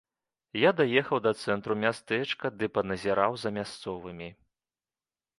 Я даехаў да цэнтру мястэчка ды паназіраў за мясцовымі.